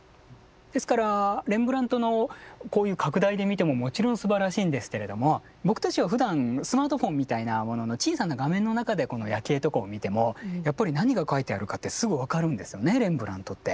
ですからレンブラントのこういう拡大で見てももちろんすばらしいんですけれども僕たちはふだんスマートフォンみたいなものの小さな画面の中でこの「夜警」とかを見てもやっぱり何が描いてあるかってすぐ分かるんですよねレンブラントって。